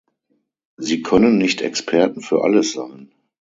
Sie können nicht Experten für alles sein.